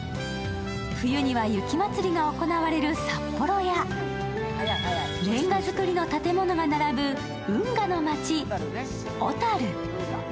冬には雪まつりが行われる札幌やれんが造りの建物が並ぶ運河の街・小樽。